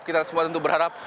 kita semua tentu berharap